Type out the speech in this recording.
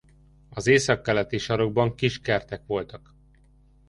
Az északkeleti sarokban kis kertek voltak.